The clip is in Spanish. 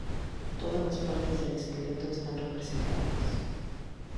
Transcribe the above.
Todas las partes del esqueleto están representadas.